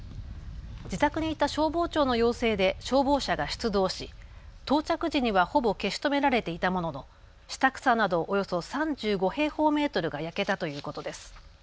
自宅にいた消防長の要請で消防車が出動し、到着時にはほぼ消し止められていたものの下草などおよそ３５平方メートルが焼けたということです。